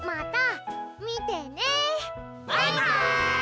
バイバーイ！